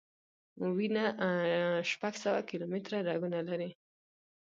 وینه شپږ سوه کیلومټره رګونه لري.